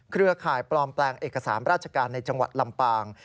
เครือข่ายปลอมแปลงเอกสารราชการในจังหวัดลำปาง